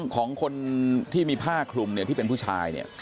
ของคนที่มีผ้าคลุมที่เป็นผู้ชายเนี่ย